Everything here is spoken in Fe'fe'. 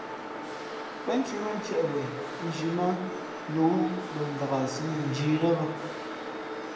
Pénthʉ́ mά ntieʼ yi wěn nzhī mά nǔ wú mbα mvak a sī mαnjīī lά bᾱ.